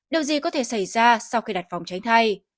điều gì có thể xảy ra sau khi đặt vòng tránh thai